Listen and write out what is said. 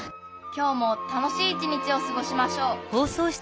今日も楽しい一日をすごしましょう」。